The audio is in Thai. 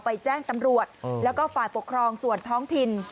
แจ้งตำรวจแล้วก็ฝ่ายปกครองส่วนท้องถิ่น